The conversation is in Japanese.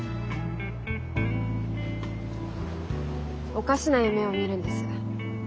おかしな夢を見るんです。